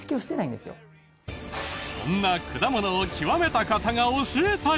そんな果物を極めた方が教えたい！